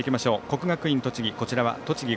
国学院栃木